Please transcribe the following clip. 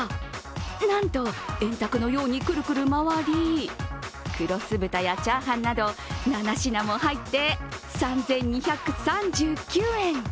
なんと、円卓のようにクルクル回り黒酢豚やチャーハンなど７品も入って３２３９円。